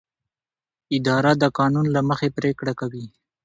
اداره د قانون له مخې پریکړه کوي.